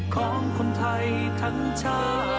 ของคนไทยทั้งชาติ